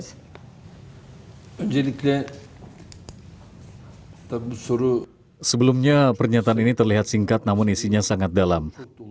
sebelumnya pernyataan ini terlihat singkat namun isinya sangat dalam